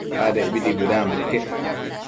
Adecbidi bëdanbo iquec